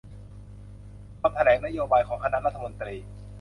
คำแถลงนโยบายของคณะรัฐมนตรี